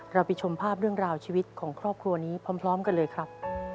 ไปชมภาพเรื่องราวชีวิตของครอบครัวนี้พร้อมกันเลยครับ